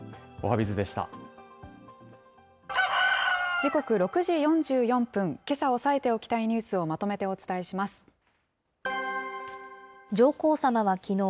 時刻６時４４分、けさ押さえておきたいニュースをまとめてお上皇さまはきのう、